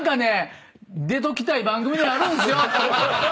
出ときたい番組ではあるんすよ。